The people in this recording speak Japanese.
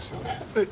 えっ？